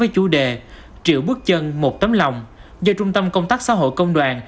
với chủ đề triệu bước chân một tấm lòng do trung tâm công tác xã hội công đoàn